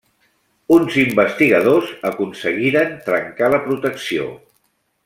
Uns investigadors aconseguiren trencar la protecció.